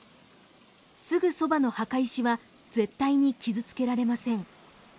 すぐそばの墓石は絶対に傷つけられません。